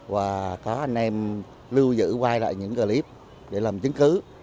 và có anh em lưu giữ quay lại những clip để làm chứng cứ